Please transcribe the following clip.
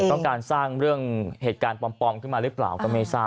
ต้องการสร้างเรื่องเหตุการณ์ปลอมขึ้นมาหรือเปล่าก็ไม่ทราบ